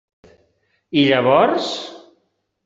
I llavors?